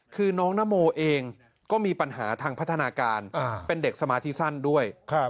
คือน้องนโมเองก็มีปัญหาทางพัฒนาการเป็นเด็กสมาธิสั้นด้วย